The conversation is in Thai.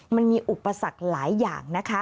มันมีอุปสรรคหลายอย่างนะคะ